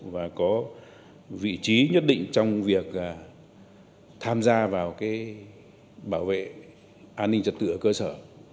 và có vị trí nhất định trong việc tham gia vào bảo vệ an ninh trật tự ở cơ sở